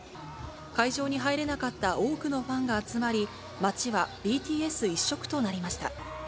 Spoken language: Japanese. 会場に入れなかった多くのファンが集まり、街はＢＴＳ一色となりました。